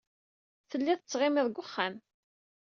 Telliḍ tettɣimiḍ deg wexxam.